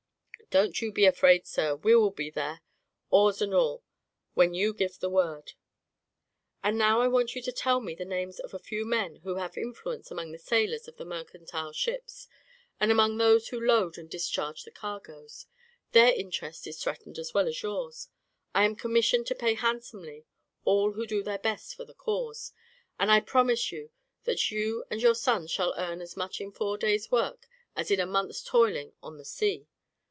Don't you be afraid, sir; we will be there, oars and all, when you give the word." "And now I want you to tell me the names of a few men who have influence among the sailors of the mercantile ships, and among those who load and discharge the cargoes; their interest is threatened as well as yours. I am commissioned to pay handsomely all who do their best for the cause, and I promise you that you and your sons shall earn as much in four days' work as in a month's toiling on the sea.